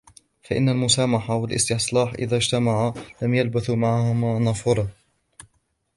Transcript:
فَإِنَّ الْمُسَامَحَةَ وَالِاسْتِصْلَاحَ إذَا اجْتَمَعَا لَمْ يَلْبَثْ مَعَهُمَا نُفُورٌ